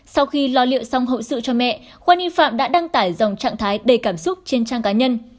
sau khi lo liệu xong hậu sự cho mẹ khoa nghi phạm đã đăng tải dòng trạng thái đầy cảm xúc trên trang cá nhân